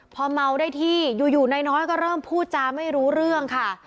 พอเมาได้ที่อยู่นายน้อยก็เริ่มพูดจาไม่รู้เรื่องค่ะ